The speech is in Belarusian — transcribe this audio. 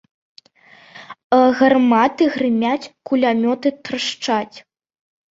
Гарматы грымяць, кулямёты трашчаць.